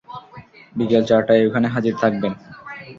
বিকেল চারটায় ওখানে হাজির থাকবেন।